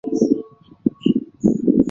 附有夜视瞄准镜导轨的型号。